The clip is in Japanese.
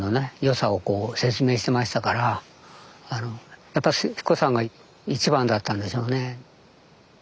良さを説明してましたからやっぱし英彦山が一番だったんでしょうね。